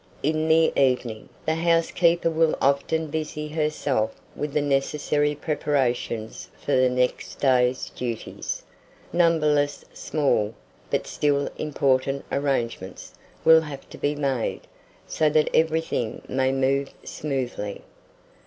IN THE EVENING, the housekeeper will often busy herself with the necessary preparations for the next day's duties. Numberless small, but still important arrangements, will have to be made, so that everything may move smoothly.